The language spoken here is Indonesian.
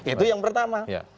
itu yang pertama